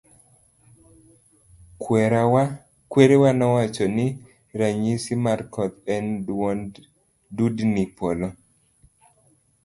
Kwerawa nowacho ni ranyisis mar koth en dudni polo.